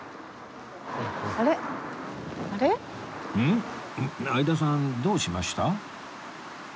相田さんどうしました？